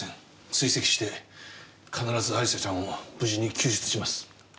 追跡して必ず亜里沙ちゃんを無事に救出します。